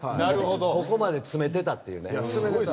ここまで詰めていたっていう。